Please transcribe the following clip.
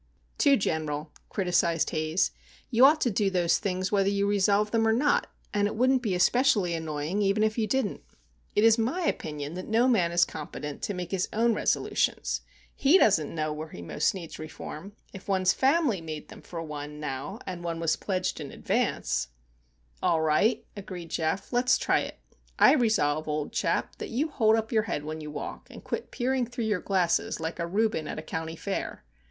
"Too general," criticised Haze. "You ought to do those things whether you resolve them or not,—and it wouldn't be especially annoying even if you didn't. It is my opinion that no man is competent to make his own resolutions. He doesn't know where he most needs reform. If one's family made them for one, now, and one was pledged in advance——" "All right," agreed Geof. "Let's try it. I resolve, old chap, that you hold up your head when you walk, and quit peering through your glasses like a Reuben at a County fair."